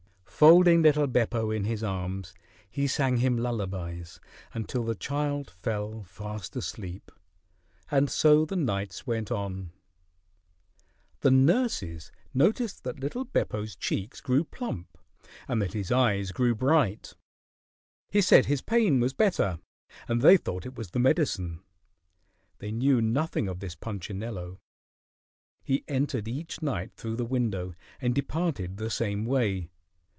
Folding little Beppo in his arms, he sang him lullabies until the child fell fast asleep. And so the nights went on. The nurses noticed that little Beppo's cheeks grew plump and that his eyes grew bright. He said his pain was better, and they thought it was the medicine. They knew nothing of this Punchinello. He entered each night through the window and departed the same way.